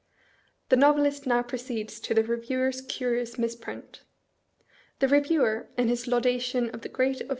The Novelist now proceeds to the Eeviewer's curious misprint. The Reviewer, in his laudation of the great ofB.